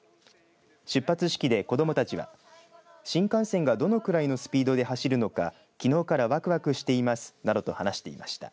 出発式で子どもたちは新幹線が、どのくらいのスピードで走るのかきのうから、わくわくしていますなどと話していました。